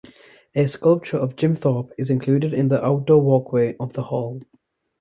A sculpture of Jim Thorpe is included in the outdoor walkway of the Hall.